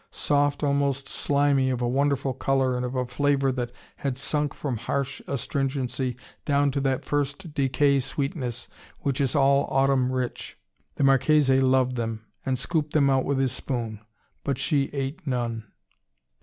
Soft, almost slimy, of a wonderful colour, and of a flavour that had sunk from harsh astringency down to that first decay sweetness which is all autumn rich. The Marchese loved them, and scooped them out with his spoon. But she ate none.